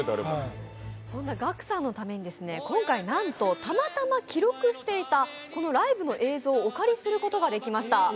そんなガクさんのために今回は、なんとたまたま記録していたこのライブの映像をお借りすることができました。